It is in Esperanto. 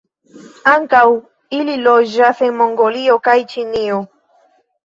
Ankaŭ ili loĝas en Mongolio kaj Ĉinio.